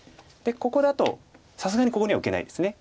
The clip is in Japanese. でここだとさすがにここには受けないです。